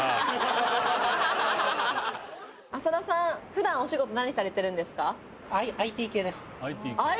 普段お仕事何されてるんですか？